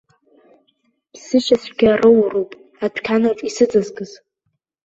Ԥсышьацәгьа роуроуп, адәқьанаҿ исыҵазкыз.